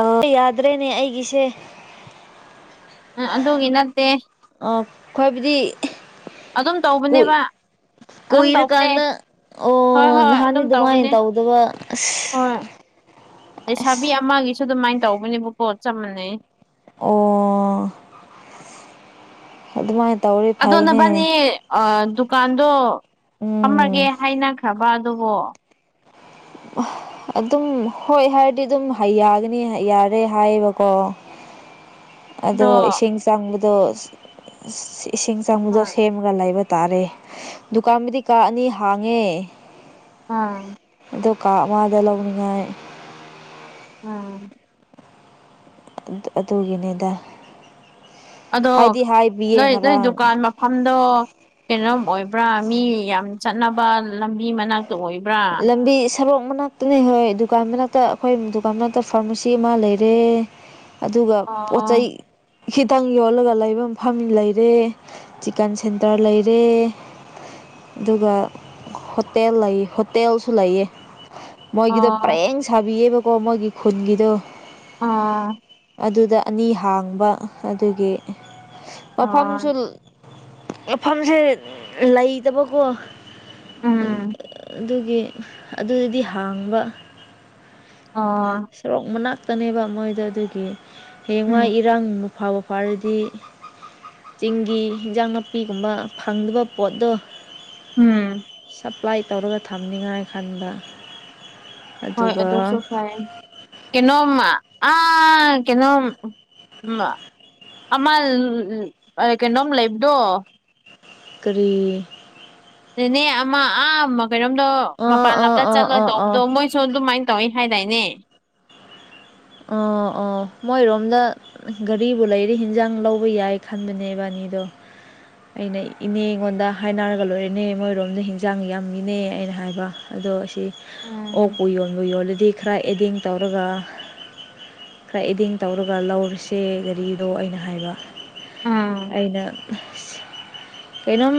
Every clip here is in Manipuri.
ꯑꯥ ꯌꯥꯗ꯭ꯔꯦꯅꯦ ꯑꯩꯒꯤꯁꯦ ꯑꯥ ꯑꯗꯨꯒꯤ ꯅꯠꯇꯦ ꯑꯥ ꯈꯣꯏꯕꯨꯗꯤ ꯑꯗꯨꯝ ꯇꯧꯕꯅꯦꯕ ꯑꯗꯨꯝ ꯇꯧꯕꯅꯦ ꯀꯨꯏꯔꯀꯥꯟꯗ ꯍꯣꯏ ꯑꯣ ꯍꯣꯏ ꯅꯍꯥꯟꯗꯤ ꯑꯗꯨꯝ ꯑꯗꯨꯃꯥꯏꯅ ꯇꯧꯕꯅꯦ ꯇꯧꯗꯕ ꯑꯁ ꯍꯣꯏ ꯂꯩꯁꯥꯕꯤ ꯑꯁ ꯑꯃꯒꯤꯁꯨ ꯑꯗꯨꯃꯥꯏꯅ ꯇꯧꯕꯅꯦꯕꯀꯣ ꯆꯞ ꯃꯥꯟꯅꯩ ꯑꯣ ꯑꯗꯨꯃꯥꯏ ꯑꯗꯣ ꯅꯕꯅꯤ ꯑꯥ ꯗꯨꯀꯥꯟꯗꯣ ꯐꯝꯃꯒꯦ ꯎꯝ ꯍꯥꯏꯅꯈ꯭ꯔꯕ ꯑꯗꯨꯕꯣ ꯑꯗꯨꯝ ꯍꯣꯏ ꯍꯥꯏꯔꯗꯤ ꯑꯗꯨꯝ ꯌꯥꯒꯅꯤ ꯌꯥꯔꯦ ꯍꯥꯏꯌꯦꯕꯀꯣ ꯑꯗꯣ ꯏꯁꯤꯡ ꯆꯪꯕꯗꯣ‌‌ ꯑꯁ ꯏꯁꯤꯡ ꯆꯪꯕꯗꯣ ꯍꯣꯏ ꯁꯦꯝ ꯂꯩꯕ ꯇꯥꯔꯦ ꯗꯨꯀꯥꯟꯕꯨꯗꯤ ꯀꯥ ꯑꯅꯤ ꯍꯥꯡꯉꯦ ꯑꯥ ꯑꯗꯣ ꯀꯥ ꯑꯃꯒ ꯂꯧꯅꯤꯡꯉ‌ꯦ ꯍꯥꯏ ꯑꯥ ꯑꯗꯨ ꯑꯗꯨꯒꯤꯅꯤꯗ ꯑꯗꯣ ꯍꯥꯏꯗꯤ ꯍꯥꯏꯕꯤꯌꯦ ꯅꯣꯏ ꯅꯣꯏ ꯉꯔꯥꯡ ꯗꯨꯀꯥꯟ ꯃ ꯃꯐꯝꯗꯣ ꯀꯩꯅꯣꯝ ꯑꯣꯏꯕ꯭ꯔꯥ ꯃꯤ ꯌꯥꯝ ꯆꯠꯅꯕ ꯂꯝꯕꯤ ꯃꯅꯥꯛꯇ ꯑꯣꯏ ꯂꯝꯕꯤ ꯁ‌ꯣꯔꯣꯛ ꯃꯅꯥꯛꯇꯅꯤꯍꯦ ꯗꯨꯀꯥꯟ ꯃꯅꯥꯛꯇ ꯑꯩꯈꯣꯏ ꯗꯨꯀꯥꯟ ꯃꯅꯥꯛꯇ ꯐꯥꯔꯃꯥꯁꯤ ꯑꯃ ꯂꯩꯔꯦ ꯑꯗꯨꯒ ꯄꯣꯠ ꯑꯣ ꯆꯩꯩ ꯈꯤꯇꯪ ꯌꯣꯜꯂꯒ ꯂꯩꯕ ꯃꯐꯝ ꯂꯩꯔꯦ ꯆꯤꯀꯟ ꯁꯦꯟꯇꯔ ꯂꯩꯔꯦ ꯑꯗꯨꯒ ꯍꯣꯇꯦꯜ ꯂꯩ‌ ꯍ‌ꯣ ꯇꯦꯜꯁꯨ ꯂꯩꯌꯦ ꯃꯣꯏꯒꯤꯗꯣ ꯑꯣ ꯄꯔꯦꯡ ꯁꯥꯕꯤꯌꯦꯕꯀꯣ ꯃꯣꯏꯒꯤ ꯈꯨꯟꯒꯤꯗꯣ ꯑꯥ ꯑꯗꯨꯗ ꯑꯅꯤ ꯍꯥꯡꯕ ꯑꯗꯨꯒꯤ ꯃꯐꯝꯁꯨ ꯑꯣ ꯉꯦꯐꯝꯖꯦ ꯂꯩꯇꯕꯀꯣ ꯎꯝ ꯑꯗꯨꯒꯤ ꯑꯗꯨꯢꯗꯤ ꯍꯥꯡꯕ ꯑꯣ ꯁꯣꯔꯣꯛ ꯃꯅꯥꯛꯇꯅꯦꯕ ꯃꯣꯏꯗꯣ ꯑꯗꯨꯒꯤ ꯍꯌꯦꯡꯋꯥꯏ ꯎꯝ ꯏꯔꯥꯡ ꯐꯕꯨ ꯐꯥꯔꯗꯤ ꯆꯤꯡꯒꯤ ꯑꯦꯟꯖꯥꯡ ꯅꯥꯄꯤꯒꯨꯝꯕ ꯐꯪꯗꯕ ꯄꯣꯠꯇꯣ ꯎꯝ ꯑꯦꯞꯄ꯭ꯂꯥꯢ ꯇꯧꯔꯒ ꯊꯝꯅꯤꯡꯉꯥꯢ ꯈꯟꯕ ꯍꯣꯢ ꯑꯗꯨꯒ ꯑꯗꯨꯁꯨ ꯐꯩꯌ‌ꯦ ꯀꯩꯅꯣꯝꯃ ꯑꯥ ꯀꯩꯅꯣꯝ ꯃ ꯑꯃ ꯑ ꯀꯩꯅꯣꯝ ꯂꯩꯕꯗꯣ ꯀꯔꯤ ꯅ‌ꯦꯅꯦ ꯑꯃ ꯑꯥ ꯑꯃ ꯀꯩꯅꯣꯝꯗꯣ ꯑꯥ ꯃꯄꯥꯟ ꯑꯥ ꯂꯝꯗ ꯑꯥ ꯆꯠꯂ ꯑꯥ ꯑꯥ ꯇꯧꯕꯗꯣ ꯃꯣꯢ ꯁꯨ ꯑꯗꯨꯃꯥꯏꯅ ꯇꯧꯋꯤ ꯍꯥꯏꯗꯥꯏꯅꯦ ꯑꯣ ꯑꯣ ꯃꯣꯢꯔꯣꯝꯗ ꯒꯔꯤꯕꯨ ꯂꯩꯔꯗꯤ ꯍꯤꯟꯖꯥꯡ ꯂꯧꯕ ꯌꯥꯏ ꯈꯟꯕꯅꯦꯕꯥ ꯑꯅꯤꯗꯣ ꯑꯩꯅ ꯏꯅꯦ ꯑꯩꯉꯣꯟꯗ ꯍꯥꯢꯅꯔꯒ ꯂꯣꯢꯔꯦꯅꯦ ꯃꯣꯏꯔꯣꯝꯗ ꯍꯤꯟꯖꯥꯡ ꯌꯥꯝꯃꯤꯅꯦ ꯑꯩꯅ ꯍꯥꯢꯕ ꯑꯗꯣ ꯑꯁꯤ ꯎꯝ ꯑꯣꯛꯄꯨ ꯌꯣꯟꯕꯨ ꯌꯣꯜꯂꯗꯤ ꯈꯔ ꯑꯦꯗꯤꯡ ꯇꯧꯔꯒ ꯈꯔ ꯑꯦꯗꯤꯡ ꯇꯧꯔꯒ ꯂꯧꯔꯁꯦ ꯒꯥꯔꯤꯗꯣ ꯑꯩꯅ ꯍꯥꯢꯕ ꯎꯝ ꯑꯩꯅ ꯀꯩꯅꯣꯝ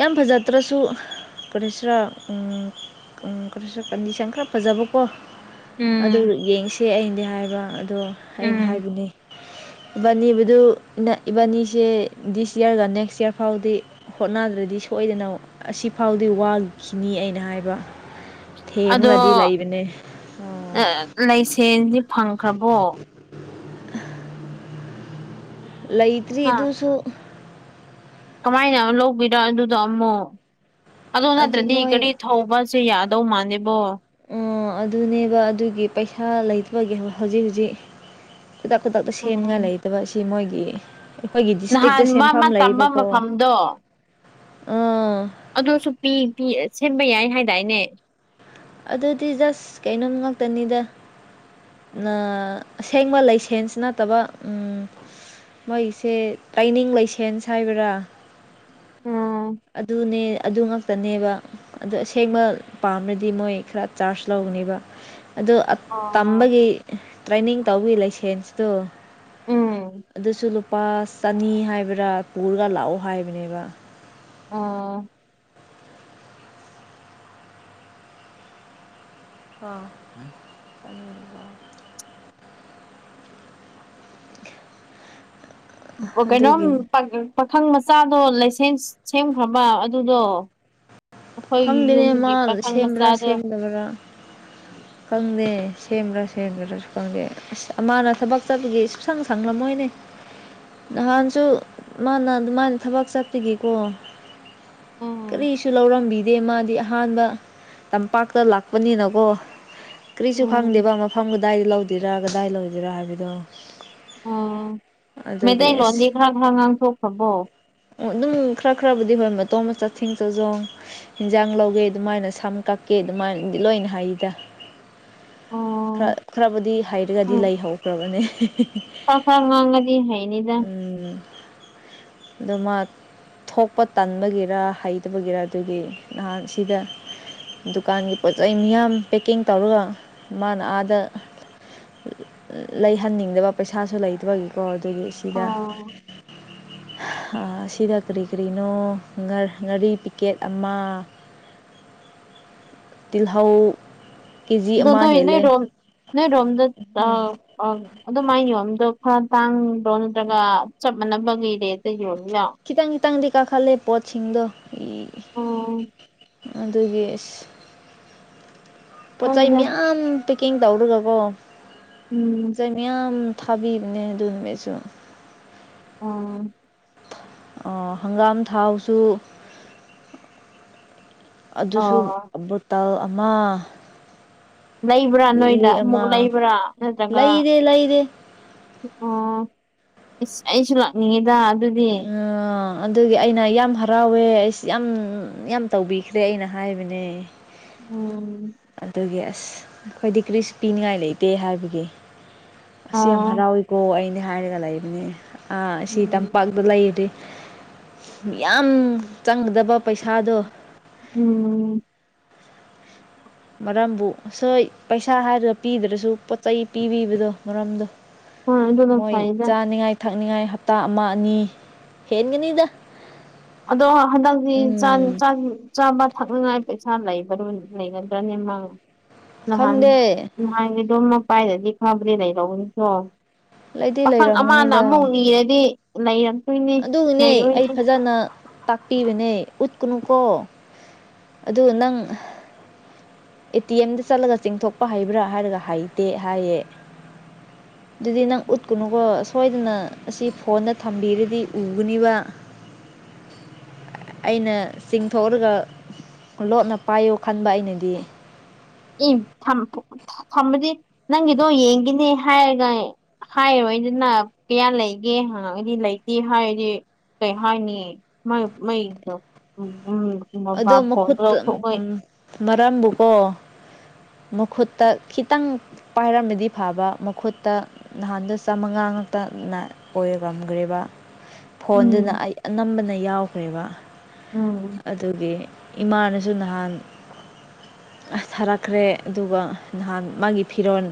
ꯌꯥꯝ ꯐꯖꯗ꯭ꯔꯁꯨ ꯀꯔꯤ‌ ꯁꯤꯔꯥ ꯎꯝ ꯎꯝ ꯀꯔꯁꯨ ꯀꯟꯗꯤꯁꯟ ꯈꯔ ꯐꯖꯕꯀꯣ ꯑꯗꯨ ꯎꯝ ꯌꯦꯡꯁꯦ ꯑꯩꯅꯗꯤ ꯍꯥꯢꯕ ꯑꯗꯣ ꯑꯩꯅ ꯎꯝ ꯍꯥꯢꯕꯅ‌ꯦ ꯏꯕꯥꯟꯅꯤꯕꯨꯗꯨ ꯏꯕꯥꯟꯅꯤꯁꯦ ꯗꯤꯁ ꯏꯌꯥꯔꯒ ꯅꯦꯛꯁ ꯏꯌꯥꯔ ꯐꯥꯎꯗꯤ ꯍꯣꯠꯅꯗ꯭ꯔꯗꯤ ꯁꯣꯢꯗꯅ ꯑꯁꯤꯐꯥꯎꯗꯤ ꯋꯥꯈꯤꯅꯤꯌꯦ ꯑꯩꯅ ꯍꯥꯢꯕ ꯊꯦꯝꯃꯒꯗꯤ ꯂꯩꯕꯅꯦ ꯑꯣ ꯑꯥ ꯂꯥꯢꯁꯦꯟꯗꯤ ꯐꯪꯈ꯭ꯔꯕꯣ ꯂꯩꯇ꯭ꯔꯤ ꯑꯗꯨꯁꯨ ꯀꯃꯥꯏꯅ ꯂꯧꯒꯤꯗ ꯑꯗꯨꯗ ꯑꯃꯨꯛ ꯑꯗꯨ ꯅꯠꯇ꯭ꯔꯗꯤ ꯀꯔꯤ ꯊꯧꯕꯁꯦ ꯌꯥꯗꯧ ꯃꯥꯥꯟꯗ‌ꯦꯕꯣ ꯑꯣ ꯑꯗꯨꯅꯦꯕ ꯑꯗꯨꯒꯤ ꯄꯩꯁꯥ ꯂꯩꯇꯕꯒꯤ ꯍꯧꯖꯤꯛ ꯍꯧꯖꯤꯛ ꯈꯨꯗꯛ ꯈꯨꯗꯛꯇ ꯁꯦꯝꯅꯤꯡꯉꯥꯏ ꯎꯝ ꯂꯩꯇꯕ ꯑꯁꯤ ꯃꯣꯏꯒꯤ ꯑꯩꯈꯣꯏꯒꯤ ꯗꯤꯁꯇ꯭ꯔꯤꯛꯇ ꯅꯍꯥꯟ ꯃꯥ ꯁꯦꯟꯐꯝ ꯃꯥ ꯇꯝꯕ ꯂꯩꯕꯀꯣ ꯃꯐꯝꯗꯣ ꯑꯥ ꯑꯗꯨꯁꯨ ꯄꯤ ꯄꯤ ꯁꯦꯝꯕ ꯌꯥꯏ ꯍꯥꯢꯗꯥꯢꯅꯦ ꯑꯗꯨꯗꯤ ꯖꯁ ꯀꯩꯅꯣꯝ ꯉꯥꯛꯇꯅꯤꯗ ꯅꯥ ꯑꯁꯦꯡꯕ ꯂꯩꯁꯦꯟꯁ ꯅꯠꯇꯕ ꯎꯝ ꯃꯣꯢꯁꯦ ꯇꯩꯅꯤꯡ ꯂꯩꯁꯦꯟꯁ ꯍꯥꯏꯕ꯭ꯔꯥ ꯎꯝ ꯑꯗꯨꯅꯦ ꯑꯗꯨ ꯉꯥꯛꯇꯅꯦꯕ ꯑꯗꯨ ꯑꯁꯦꯡꯕ ꯄꯥꯝꯂꯗꯤ ꯃꯣꯏ ꯈꯔ ꯆꯥꯔꯖ ꯂꯧꯒꯅꯤꯕ ꯑꯗꯣ ꯑꯞ ꯑꯣ ꯇꯝꯕꯒꯤ ꯇ꯭ꯔꯦꯅꯤꯡ ꯇꯧꯕꯒꯤ ꯂꯥꯏꯁꯦꯟꯁꯇꯣ ꯎꯝ ꯑꯗꯨꯁꯨ ꯂꯨꯞ ꯄꯥ ꯆꯅꯤ ꯍꯥꯏꯕ꯭ꯔꯥ ꯄꯨꯔꯒ ꯂꯥꯛꯑꯣ ꯍꯥꯢꯕꯅꯦꯕ ꯑꯣ [unintelligible] ꯀꯩꯅꯣꯝ ꯑꯗꯨꯒꯤ ꯄꯛ ꯄꯥꯈꯪ ꯃꯆꯥꯗꯣ ꯂꯥꯏꯁꯦꯟꯁ ꯁꯦꯝꯈ꯭ꯔꯕ ꯑꯗꯨꯗꯣ ꯑꯩꯈꯣꯏꯒꯤ ꯈꯪꯗꯦꯅꯦ ꯌꯨꯝꯒꯤ ꯃꯥ ꯄꯥꯈꯪ ꯁꯦꯝꯕ꯭ꯔꯥ ꯃꯆꯥꯗꯣ [unintelligible] ꯈꯪꯗꯦ ꯁꯦꯝꯕ꯭ꯔꯥ ꯁꯦꯝꯗ꯭ꯔꯥꯁꯨ ꯈꯪꯗꯦ ꯑꯁ ꯑꯃꯅ ꯊꯕꯛ ꯆꯠꯄꯒꯤ ꯁꯨꯡꯁꯪ ꯁꯪꯂꯝꯃꯣꯏꯅꯦ ꯅꯍꯥꯟꯁꯨ ꯃꯥꯅ ꯑꯗꯨꯃꯥꯏꯅ ꯊꯕꯛ ꯆꯠꯄꯒꯤꯀꯣ ꯎꯝ ꯀꯔꯤꯁꯨ ꯂꯧꯔꯝꯕꯤꯗꯦ ꯃꯥꯗꯤ ꯑꯍꯥꯟꯕ ꯇꯝꯄꯥꯛꯇ ꯂꯥꯛꯄꯅꯤꯅꯒꯣ ꯀꯔꯤꯁꯨ ꯎꯝ ꯈꯪꯗꯦꯕ ꯃꯐꯝ ꯀꯗꯥꯏꯗ ꯂꯧꯗꯣꯏꯔꯥ ꯀꯗꯥꯏ ꯂꯣꯏꯗꯣꯏꯔ ꯍꯥꯏꯕꯗꯣ ꯑꯣ ꯑꯗꯨꯒꯤ ꯑꯁ ꯃꯩꯇꯩꯂꯣꯟꯗꯤ ꯈꯔ ꯈꯔ ꯉꯥꯡꯊꯣꯛꯈ꯭ꯔꯕꯣ ꯑꯣ ꯑꯗꯨꯝ ꯈꯔ ꯈꯔꯕꯨꯗꯤ ꯍꯣꯏ ꯃꯇꯣꯝꯗ ꯆꯠꯁꯤꯡ ꯆꯥꯖꯣꯡ ꯍꯤꯟꯖꯥꯡ ꯂꯧꯒꯦ ꯑꯗꯨꯃꯥꯏꯅ ꯁꯝ ꯀꯛꯀꯦ ꯑꯗꯨꯃꯥꯏꯅꯗꯤ ꯂꯣꯏꯅ ꯍꯩꯗ ꯎꯝ ꯈꯔ ꯈꯔꯕꯨꯗꯤ ꯍꯩꯔꯒꯗꯤ ꯂꯩꯍꯧꯈ꯭ꯔꯕꯅꯦ ꯐꯥꯛ ꯐꯥꯛ ꯉꯥꯡꯉꯗꯤ ꯍꯩꯅꯤꯗꯥ ꯎꯝ ꯑꯗꯨꯃꯥꯠ ꯊꯣꯛꯄ ꯇꯟꯕꯒꯤꯔ ꯍꯩꯇꯕꯒꯤꯔ ꯗꯨꯒꯤ ꯅꯍꯥꯟ ꯁꯤꯗ ꯗꯨꯀꯥꯟꯒꯤ ꯄꯣꯠꯆꯩ ꯃꯤꯌꯥꯝ ꯄꯦꯛꯀꯤꯡ ꯇꯧꯔꯒ ꯃꯥꯅ ꯑꯥꯗ ꯂꯩꯍꯟꯅꯤꯡꯗꯕ ꯄꯩꯁꯥꯁꯨ ꯂꯩꯇꯕꯒꯤꯀꯣ ꯑꯗꯨꯒꯤ ꯁꯤꯗꯥ [inaudible] ꯑꯥ ꯑꯥ ꯁꯤꯗ ꯀꯔꯤ ꯀꯔꯤꯅꯣ ꯉꯔ ꯉꯥꯔꯤ ꯄꯤꯛꯀꯦꯠ ꯑꯃꯥ ꯇꯤꯜꯍꯧ ꯀꯦ ꯖꯤ ꯗꯣ ꯑꯃ ꯅꯣꯏ ꯍꯦꯜꯂꯦ ꯅꯣꯏꯔꯣꯝ ꯅꯣꯏꯔꯣꯝꯗ ꯇ [unintelligible] ꯑꯗꯨꯃꯥꯏ ꯌꯣꯟꯕꯗꯣ ꯈꯔ ꯇꯥꯡꯗꯔꯣ ꯅꯠꯇ꯭ꯔꯒ ꯆꯞ ꯃꯥꯟꯅꯕꯒꯤ ꯔꯦꯠꯇ ꯌꯣꯜꯂꯤꯔꯣ ꯈꯤꯇꯪ ꯈꯤꯇꯪꯗꯤ ꯀꯥꯈꯠꯂꯦ ꯄꯣꯠꯁꯤꯡꯗꯣ ꯏ ꯑꯣ ꯑꯗꯨꯒꯤ ꯏꯁ ꯄꯣꯠꯆꯩ ꯍꯣꯏꯗ ꯃꯌꯥꯝ ꯄꯦꯛꯀꯤꯡ ꯇꯧꯔꯒꯒꯣ ꯎꯝ ꯄꯣꯠꯆꯩ ꯃꯌꯥꯝ ꯊꯥꯕꯤꯕꯅꯦ ꯑꯗꯨꯅꯨꯃꯤꯠꯁꯨ ꯎꯝ ꯑꯣ ꯍꯪꯒꯥꯝ ꯊꯥꯎꯁꯨ ꯑꯗꯨꯁꯨ ꯑꯣ ꯕꯣꯇꯜ ꯑꯃ ꯂꯩꯕ꯭ꯔꯥ ꯅꯣꯏꯗ ꯂꯤꯛꯂꯤ ꯑꯃꯨꯛ ꯑꯃ ꯂꯩꯕ꯭ꯔꯥ ꯅꯠꯇ꯭ꯔꯒ ꯂꯩꯗꯦ ꯂꯩꯗꯦ ꯑꯣ ꯑꯁ ꯑꯩꯁꯨ ꯂꯥꯛꯅꯤꯡꯉꯤꯗꯥ ꯑꯗꯨꯗꯤ ꯑꯥ ꯑꯗꯨꯒꯤ ꯑꯩꯅ ꯌꯥꯝ ꯍꯔꯥꯎꯋꯦ ꯑꯩꯁ ꯌꯥꯝ ꯌꯥꯝ ꯇꯧꯕꯤꯈ꯭ꯔꯦ ꯑꯩꯅ ꯍꯥꯏꯕꯅꯦ ꯎꯝ ꯑꯗꯨꯒꯤ ꯑꯁ ꯑꯩꯈꯣꯏꯗꯤ ꯀ꯭ꯔꯤꯁꯨ ꯄꯤꯅꯤꯉꯥꯏ ꯂꯩꯇꯦ ꯍꯥꯏꯕꯒꯤ ꯑꯁꯤ ꯌꯥꯝ ꯑꯣ ꯍꯔꯥꯎꯋꯤꯀꯣ ꯑꯩꯅꯦ ꯍꯥꯏꯔꯒ ꯂꯩꯕꯅꯦ ꯑ ꯑꯁꯤ ꯎꯝ ꯇꯝꯄꯥꯛ ꯕꯂꯩꯔꯗꯤ ꯌꯥꯝ ꯆꯪꯒꯗꯕ ꯄꯩꯁꯥꯗꯣ ꯎꯝ ꯃꯔꯝꯕꯨ ꯁꯣꯏ ꯄꯩꯁꯥ ꯍꯥꯏꯔꯒ ꯄꯤꯗ꯭ꯔꯁꯨ ꯄꯣꯠ ꯆꯩ ꯄꯤꯕꯤꯕꯗꯣ ꯃꯔꯝꯗꯣ ꯍꯣꯏ ꯑꯗꯨꯅ ꯃꯣꯏ ꯐꯩꯗ ꯆꯥꯅꯤꯡꯉꯥꯏ ꯊꯛꯅꯤꯡꯉꯥꯏ ꯍꯞꯇꯥ ꯑꯃꯥ ꯑꯅꯤ ꯍꯦꯟꯒꯅꯤꯗꯥ ꯑꯗꯣ ꯍꯟꯗꯛꯇꯤ ꯆꯥꯟ ꯎꯝ ꯆꯟ ꯆꯥꯕ ꯊꯛꯅꯤꯡꯉꯥꯏ ꯄꯩꯁꯥ ꯂꯩꯕꯔꯣ ꯂꯩꯒꯗ꯭ꯔꯅꯦ ꯃꯥ ꯅꯍꯥꯟ ꯈꯪꯗꯦ ꯅꯍꯥꯟꯒꯤꯗꯣ ꯃꯥ ꯄꯥꯏꯗꯗꯤ ꯈꯔꯕꯨꯗꯤ ꯂꯩꯗꯧꯕꯅꯤꯀꯣ ꯂꯩꯗꯤ ꯄꯥꯈꯪ ꯑꯃꯥꯅ ꯑꯃꯨꯛ ꯂꯩꯔꯝꯒꯅꯤꯗ ꯅꯤꯔꯗꯤ ꯂꯩꯔꯛꯇꯣꯏꯅꯤ ꯑꯗꯨꯒꯤꯅꯦ ꯂꯩꯔꯣꯏꯅꯤ [unintelligible] ꯇꯥꯛꯄꯤꯕꯅꯦ ꯎꯠꯀꯅꯨꯀꯣ ꯑꯗꯨꯒ ꯅꯪ ꯑꯦ ꯇꯤ ꯑꯦꯝꯗ ꯆꯠꯂꯒ ꯆꯤꯡꯊꯣꯛꯄ ꯍꯩꯕ꯭ꯔꯥ ꯍꯥꯏꯔꯒ ꯍꯩꯇꯦ ꯍꯥꯏꯌꯦ ꯑꯗꯨꯗꯤ ꯅꯪ ꯎꯠꯀꯨꯅꯨꯀꯣ ꯁꯣꯏꯗꯅ ꯑꯁꯤ ꯐꯣꯟꯗ ꯊꯝꯕꯤꯔꯗꯤ ꯎꯒꯅꯤꯕ ꯑꯩꯅ ꯆꯤꯡꯊꯣꯛꯔꯒ ꯂꯣꯠꯅ ꯄꯥꯏꯌꯣ ꯈꯟꯕ ꯑꯩꯅꯗꯤ ꯏ ꯊꯝ ꯊꯝꯕꯗꯤ ꯅꯪꯒꯤꯗꯣ ꯌꯦꯡꯒꯤꯅꯦ ꯍꯥꯏꯔꯒ ꯍꯥꯏꯔꯣꯏꯗꯅ ꯀꯌꯥ ꯂꯩꯒꯦ ꯍꯪꯉꯛꯒꯗꯤ ꯂꯩꯇꯦ ꯍꯥꯏꯔꯗꯤ ꯀꯩ ꯍꯥꯏꯥꯏꯅꯤ ꯃꯩ ꯑꯗꯣ ꯃꯈꯨꯠꯇ [unintelligible] ꯃꯔꯝꯕꯨꯀꯣ ꯃꯈꯨꯠꯇ ꯈꯤꯇꯪ ꯄꯥꯏꯔꯝꯃꯗꯤ ꯐꯕ ꯃꯈꯨꯠꯇ ꯅꯍꯥꯟꯗ ꯆꯥꯝꯃꯉꯥ ꯉꯥꯛꯛꯇꯅ ꯑꯣꯏꯔꯝꯒꯔꯦꯕ ꯐꯣꯟꯗꯨꯅ ꯎꯝ ꯑꯩ ꯑꯅꯝꯕꯅ ꯌꯥꯎꯈ꯭ꯔꯦꯕ ꯎꯝ ꯑꯗꯨꯒꯤ ꯏꯃꯥꯅꯁꯨ ꯅꯍꯥꯟ ꯑꯥ ꯊꯔꯛꯈ꯭ꯔꯦ ꯑꯗꯨꯒ ꯅꯍꯥꯟ ꯃꯥꯒꯤ ꯐꯤꯔꯣꯟ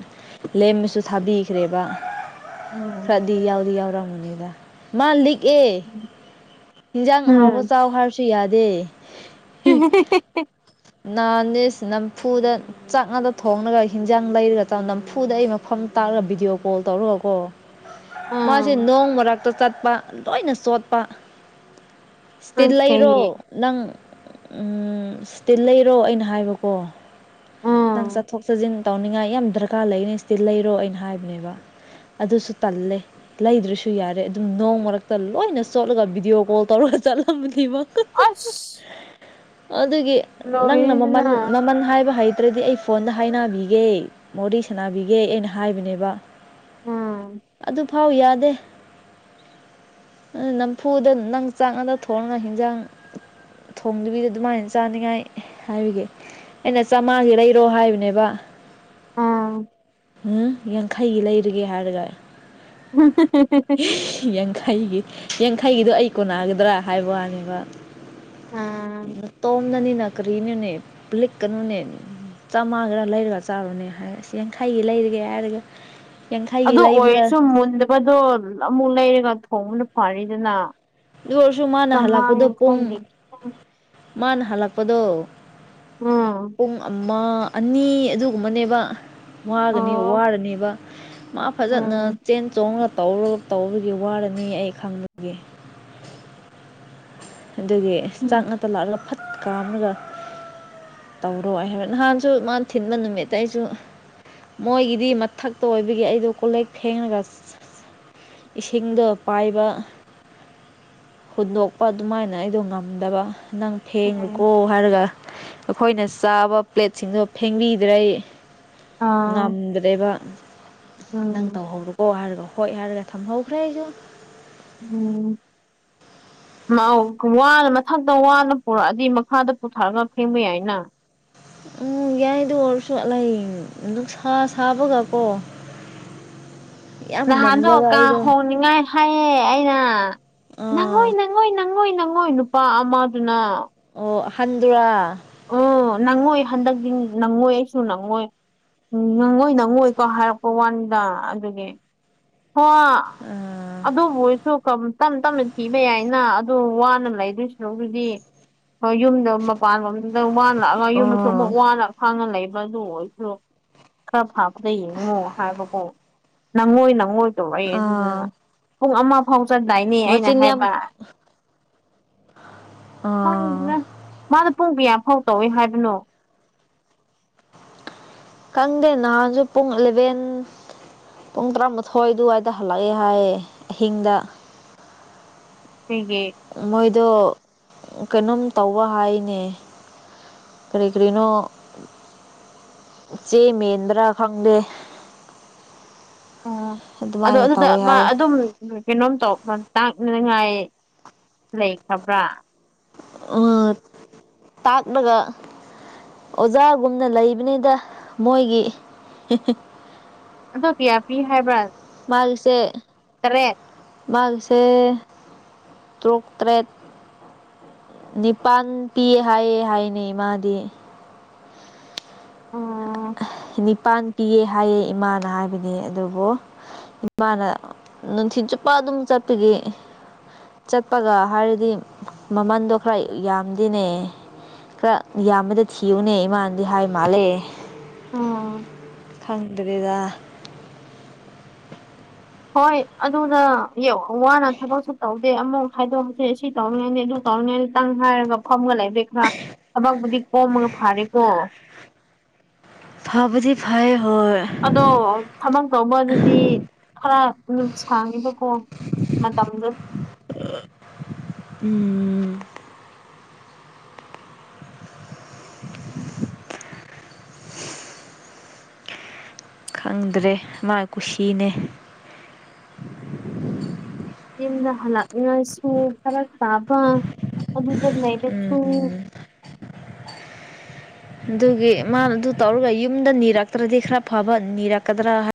ꯂꯦꯝꯃꯁꯨ ꯊꯥꯕꯤꯈ꯭ꯔꯦꯕ ꯎꯝ ꯈꯔꯗꯤ ꯌꯥꯎꯗꯤ ꯌꯥꯎꯔꯝꯒꯅꯤꯗ ꯃꯥ ꯂꯤꯛꯑꯦ ꯍꯤꯟꯖꯥꯡ ꯑꯍꯥꯎꯕ ꯎꯝ ꯆꯥꯎ ꯍꯥꯏꯔꯁꯨ ꯌꯥꯗꯦ ꯏꯤ ꯅꯥꯍꯥꯟꯗꯤ ꯏꯁ ꯅꯝꯐꯨꯗ ꯆꯥꯛ ꯉꯥꯛꯇ ꯊꯣꯡꯂꯒ ꯍꯤꯟꯖꯥꯡ ꯂꯩꯔ ꯅꯝꯐꯨꯗ ꯑꯩ ꯃꯐꯝ ꯇꯥꯛꯔꯒ ꯚꯤꯗꯤꯑꯣ ꯀꯣꯜ ꯇꯧꯔꯒꯀꯣ ꯃꯥꯖꯦ ꯎꯝ ꯅꯣꯡ ꯃꯔꯛꯇ ꯆꯠꯄ ꯂꯣꯏꯅ ꯆꯣꯠꯄ ꯏꯁꯇꯤꯜ ꯑꯁ ꯂꯩꯔꯣ ꯀꯩꯒꯤ ꯅꯪ ꯎꯝ ꯏꯁꯇꯤꯜ ꯂꯩꯔꯣ ꯑꯩꯅ ꯍꯥꯏꯕꯀꯣ ꯅꯪ ꯎꯝ ꯆꯠꯊꯣꯛ ꯆꯠꯖꯤꯟ ꯇꯧꯅꯤꯡꯉꯥꯏ ꯌꯥꯝ ꯗꯔꯀꯥꯔ ꯂꯩꯅꯤ ꯏꯁꯇꯤꯜ ꯂꯩꯔꯣ ꯑꯩꯅ ꯍꯥꯏꯕꯅꯦꯕ ꯑꯗꯨꯁꯨ ꯇꯜꯂꯦ ꯂꯩꯗ꯭ꯔꯁꯨ ꯌꯥꯔꯦ ꯑꯗꯨꯝ ꯅꯣꯡ ꯃꯔꯛꯇ ꯂꯣꯏꯅ ꯆꯣꯠꯂꯒ ꯚꯤꯗꯤꯑꯣ ꯀꯣꯜ ꯇꯧꯔꯒ ꯆꯠꯂꯝꯕꯅꯤꯃꯥ ꯑꯁ ꯑꯗꯨꯒꯤ ꯅꯪꯅ ꯂꯣꯏꯔꯦꯗꯅ ꯃꯃꯟ ꯃꯃꯟ ꯍꯥꯏꯕ ꯍꯩ ꯇꯔꯗꯤ ꯑꯩ ꯐꯣꯟꯗ ꯍꯥꯏꯅꯕꯤꯒꯦ ꯋꯥꯔꯤ ꯁꯥꯟꯅꯕꯤꯒꯦ ꯑꯩꯅ ꯍꯥꯏꯕꯅꯦꯕ ꯎꯝ ꯑꯗꯨꯐꯥꯎ ꯌꯥꯗꯦ ꯅꯝꯐꯨꯗ ꯅꯪ ꯉꯥꯛꯇ ꯊꯣꯡꯔ ꯍꯤꯟꯖꯥꯡ ꯊꯣꯡꯗꯕꯤꯗ ꯑꯗꯨꯃꯥꯏꯅ ꯆꯥꯅꯤꯡꯉꯥꯏ ꯍꯥꯏꯕꯒꯤ ꯑꯩꯅ ꯃꯥꯒꯤ ꯂꯩꯔꯣ ꯍꯥꯏꯕꯅꯦꯕ ꯑꯥ ꯎꯝ ꯌꯥꯡꯈꯩꯒꯤ ꯂꯩꯔꯒꯦ ꯍꯥꯏꯔꯒ [unintelligible] ꯌꯥꯡꯈꯩꯒꯤ ꯌꯥꯡꯈꯩꯒꯤꯗꯣ ꯑꯩ ꯀꯣꯟꯅꯒꯗ꯭ꯔꯥ ꯍꯥꯏꯕ ꯋꯥꯅꯦꯕ ꯎꯝ ꯅꯇꯣꯝꯗꯅꯤꯅ ꯀꯔꯤꯅꯣꯅꯦ ꯂꯤꯛꯀꯅꯨꯅꯦ ꯆꯥꯝꯃꯒꯤꯔ ꯂꯩꯔꯒ ꯆꯥꯔꯨꯅꯦ ꯍꯥꯏ ꯑꯁ ꯌꯥꯡꯈꯩꯒꯤ ꯂꯩꯔꯒꯦ ꯍꯥꯏꯔꯒ ꯌꯥꯡꯈꯩꯒꯤ ꯑꯗꯨ ꯂꯩꯕ꯭ꯔꯥ ꯑꯣꯏꯔꯁꯨ ꯃꯨꯟꯗꯕꯗꯣ ꯑꯃꯨꯛ ꯂꯩꯔꯒ ꯊꯣꯡꯕꯅ ꯐꯔꯦꯗꯅ ꯑꯗꯨ ꯑꯣꯏꯔꯁꯨ ꯃꯥꯅ ꯆꯥꯝꯃꯉꯥ ꯍꯜꯂꯛꯄꯗꯣ ꯄꯨꯡ ꯌꯥꯡꯈꯩꯅꯦ ꯈꯤꯇꯪ ꯃꯥꯅ ꯍꯜꯂꯛꯄꯗꯣ ꯎꯝ ꯄꯨꯡ ꯑꯃ ꯑꯅꯤ ꯑꯗꯨꯒꯨꯝꯕꯅꯦꯕ ꯋꯥꯒꯅꯤ ꯑꯣ ꯋꯥꯔꯅꯦꯕ ꯃꯥ ꯐꯖꯅ ꯎꯝ ꯆꯦꯟ ꯆꯣꯡꯅ ꯇꯧꯔ ꯇꯧꯕꯒꯤ ꯋꯥꯔꯅꯤ ꯑꯩ ꯈꯪꯕꯒꯤ ꯑꯗꯨꯒꯤ ꯆꯥꯛ ꯎꯝ ꯉꯛꯇ ꯂꯥꯛꯂꯒ ꯐꯠ ꯀꯥꯝꯃꯒ ꯇꯧꯔꯣꯏ ꯍꯥꯏ ꯅꯍꯥꯟꯁꯨ ꯃꯥꯅ ꯊꯤꯟꯕ ꯅꯨꯃꯤꯠꯇ ꯑꯩꯁꯨ ꯃꯣꯏꯒꯤꯗꯤ [unintelligible] ꯑꯗꯨ ꯑꯣꯏꯕꯒꯤ ꯑꯩꯗꯨ ꯀꯣꯜꯂꯤꯛ ꯐꯦꯡꯉꯒ ꯏꯁꯤꯡꯗꯣ ꯄꯥꯏꯕ ꯍꯨꯟꯗꯣꯛꯄ ꯑꯗꯨꯃꯥꯏꯅ ꯑꯩꯗꯨ ꯉꯝꯗꯕ ꯅꯪ ꯎꯝ ꯐꯦꯡꯉꯨꯀꯣ ꯍꯥꯏꯔꯒ ꯑꯈꯣꯏꯅ ꯆꯥꯕ ꯄ꯭ꯂꯦꯠꯁꯤꯡꯗꯣ ꯐꯦꯡꯕꯤꯗ꯭ꯔꯦ ꯑꯥ ꯉꯝꯗ꯭ꯔꯦꯕ ꯅꯪ ꯎꯝ ꯇꯧꯍꯧꯔꯣ [unintelligible] ꯍꯥꯏꯔꯒ ꯍꯣꯏ ꯍꯥꯏꯔꯒ ꯊꯝꯍꯧꯈ꯭ꯔꯦ ꯑꯩꯁꯨ ꯎꯝ ꯃꯥ ꯋꯥꯅ ꯃꯊꯛꯇ ꯋꯥꯅ ꯄꯨꯔꯛꯑꯗꯤ ꯃꯈꯥꯗ ꯄꯨꯊꯔꯒ ꯐꯦꯡꯕ ꯌꯥꯏꯅ ꯎꯝ ꯌꯥꯏ ꯑꯗꯨ ꯑꯣꯏꯔꯁꯨ [unintelligible] ꯅꯨꯡꯁꯥ ꯁꯥꯕꯒ ꯀꯣ [unintelligible] ꯅꯍꯥꯟꯗꯣ ꯀꯥ ꯍꯣꯡꯅꯤꯉꯥꯏ ꯍꯥꯏꯌꯦ ꯑꯩꯅ ꯑꯥ ꯅꯪꯉꯣꯏ ꯅꯪꯉꯣꯏ ꯅꯪꯉꯣꯏ ꯅꯪꯉꯣꯏ ꯅꯨꯄꯥ ꯑꯃꯗꯨꯅ ꯑꯣ ꯑꯍꯟꯗꯨꯔꯥ ꯑꯣ ꯅꯪꯉꯣꯏ ꯍꯟꯗꯛꯗꯤ ꯅꯪꯉꯣꯏ ꯑꯩꯁꯨ ꯅꯪꯉꯣꯏ ꯅꯪꯉꯣꯏ ꯅꯪꯉꯣꯏꯀ ꯍꯥꯏꯔꯛꯄ ꯋꯥꯅꯤꯗ ꯑꯗꯨꯒꯤ [unintelligible] ꯑꯥ ꯑꯗꯨꯕꯨ ꯑꯣꯏꯁꯨ [unintelligible] ꯇꯞ ꯇꯞꯅ ꯄꯤꯕ ꯌꯥꯏꯅ ꯑꯗꯨ ꯋꯥꯅ ꯂꯩꯗꯣꯏ ꯁꯔꯨꯛꯄꯨꯗꯤ ꯍꯣꯏ ꯌꯨꯝꯗ ꯃꯄꯥꯟꯂꯝꯗ ꯋꯥꯅ [unintelligible] ꯌꯨꯝꯗꯁꯨ ꯑꯣ ꯑꯃꯨꯛ ꯋꯥꯅ ꯈꯥꯡꯉ ꯂꯩꯕꯗꯣ ꯑꯗꯨ ꯈꯔ ꯐꯥꯕꯗ ꯌꯦꯡꯉꯣ ꯍꯥꯏꯕꯀꯣ ꯅꯪꯉꯣꯏ ꯅꯪꯉꯣꯏ ꯇꯧꯕ ꯑꯩ ꯑꯗꯨꯅ ꯑꯥ ꯄꯨꯡ ꯑꯃ ꯐꯥꯎ ꯆꯠꯗꯥꯏꯅꯦ ꯑꯩꯅ ꯃꯆꯤꯟ ꯌꯥꯝ ꯍꯥꯏꯕ ꯑꯥ ꯈꯪꯗꯦꯗ ꯃꯥꯅ ꯄꯨꯡ ꯀ꯭ꯌꯥꯐꯥꯎ ꯇꯧꯋꯦ ꯍꯥꯏꯕꯅꯣ ꯈꯪꯗꯦ ꯅꯍꯥꯟꯖꯨ ꯄꯨꯡ ꯏꯂꯦꯚꯦꯟ ꯄꯨꯡ ꯇ꯭ꯔꯥꯃꯥꯊꯣꯏ ꯑꯗꯨꯋꯥꯏꯗ ꯍꯜꯂꯛꯑꯦ ꯍꯥꯏꯌꯦ ꯑꯍꯤꯡꯗ ꯀ꯭ꯔꯤꯒꯤ ꯃꯣꯏꯗꯣ ꯀꯩꯅꯣꯝ ꯇꯧꯕ ꯍꯥꯏꯅꯦ ꯀ꯭ꯔꯤ ꯀ꯭ꯔꯤꯅꯣ ꯆꯦ ꯃꯦꯟꯕ꯭ꯔꯥ ꯈꯪꯗꯦ [unintelligible] ꯑꯗꯣ ꯑꯗꯨꯃꯥꯏꯅ ꯑꯗꯨꯗ ꯇꯧꯋꯦ ꯃꯥ ꯍꯥꯏ ꯑꯗꯨꯝ [unintelligible] ꯀꯩꯅꯣꯝ ꯇꯧꯕ ꯇꯥꯛꯅꯤꯡꯉꯥꯏ ꯂꯩꯈ꯭ꯔꯕ꯭ꯔꯥ [unintelligible] ꯇꯥꯛꯂꯒ ꯑꯣꯖꯥꯒꯨꯝꯅ ꯂꯩꯕꯅꯤꯗ ꯃꯣꯏꯒꯤ [unintelligible] ꯑꯗꯨ ꯀ꯭ꯌꯥ ꯄꯤ ꯍꯥꯏꯕ꯭ꯔꯥ ꯃꯥꯒꯤꯁꯦ ꯇꯔꯦꯠ ꯃꯒꯤꯁꯦ ꯇ꯭ꯔꯨꯛ ꯇ꯭ꯔꯦꯠ ꯅꯤꯄꯥꯟ ꯄꯤꯌꯦ ꯍꯥꯏꯌꯦ ꯍꯥꯏꯅꯦ ꯃꯥꯗꯤ ꯎꯝ ꯅꯤꯄꯥꯟ ꯄꯤꯌꯦ ꯍꯥꯏꯌꯦ ꯏꯃꯥꯅ ꯍꯥꯏꯕꯗꯤ ꯑꯗꯨꯕꯨ [unintelligible] ꯃꯥꯅ ꯅꯨꯡꯊꯤꯟ ꯆꯨꯞꯄ ꯑꯗꯨꯝ ꯆꯠꯄꯒꯤ ꯆꯠꯄꯒ ꯍꯥꯏꯔꯗꯤ ꯃꯃꯟꯗꯣ ꯈꯔ ꯌꯥꯝꯗꯦꯅꯦ ꯈ꯭ꯔ ꯌꯥꯝꯕꯗ ꯊꯤꯌꯣꯅꯦ ꯏꯃꯥꯅꯗꯤ ꯍꯥꯏ ꯃꯥꯜꯂꯦ [unintelligible] ꯈꯪꯗ꯭ꯔꯦꯗ ꯍꯣꯏ ꯑꯗꯨꯅ ꯌꯥꯝ ꯋꯥꯅ ꯊꯕꯛꯁꯨ ꯇꯧ ꯁꯤ ꯑꯃꯨꯛ ꯍꯥꯏꯗꯣꯛꯑꯁꯦ ꯁꯤ ꯇꯧꯔꯤꯉꯥꯏꯅꯦ ꯑꯗꯨ ꯇꯧꯔꯤꯉꯥꯏꯅꯤꯇꯪ ꯍꯥꯏꯔꯒ ꯐꯝꯒ ꯂꯩꯕꯤꯈ꯭ꯔ ꯑꯕꯛꯄꯨꯗꯤ ꯀꯣꯝꯃꯒ ꯐꯥꯔꯦꯀꯣ ꯐꯕꯗꯤ ꯐꯩ ꯍꯣꯏ ꯑꯗꯣ ꯊꯕꯛ ꯇꯧꯕ ꯗꯨꯗꯤ ꯈꯔ ꯗꯨꯝ ꯁꯥꯡꯉꯦꯕꯀꯣ ꯃꯇꯝꯗꯣ ꯎꯝ [inaudible] ꯈꯪꯗ꯭ꯔꯦ ꯃꯥꯥꯏ ꯀꯨꯁꯤꯅꯦ ꯌꯨꯝꯗ ꯍꯜꯂꯛꯉꯁꯨ ꯐꯔꯛ ꯇꯥꯕ ꯑꯗꯨꯗ ꯎꯝ ꯂꯩꯔꯁꯨ ꯎꯝ ꯑꯗꯨꯒꯤ ꯃꯥꯅ ꯑꯗꯨ ꯇꯧꯔꯒ ꯌꯨꯝꯗ ꯅꯤꯔꯛ [unintelligible] ꯈ꯭ꯔꯥ ꯐꯕ ꯅꯤꯔꯥ ꯀꯗ꯭ꯔꯥ ꯍꯥꯏ